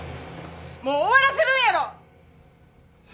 もう終わらせるんやろ！